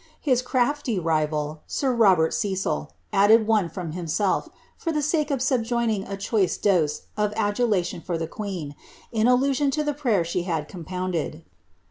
His crafly rival, sir Robert Cecd, added one from himself, for the sake of subjoining a choice dose of adulation for the queen, in allusion to the prayer she had compounded.